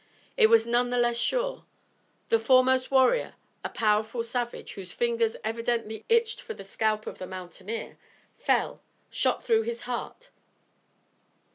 It was none the less sure. The foremost warrior, a powerful savage, whose fingers evidently itched for the scalp of the mountaineer, fell, shot through the heart.